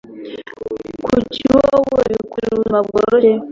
kuki wowe wikundira ubuzima bworoshye